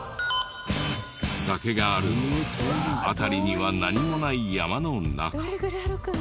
崖があるのは辺りには何もない山の中。